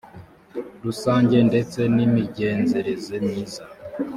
rusange ndetse n imigenzereze myiza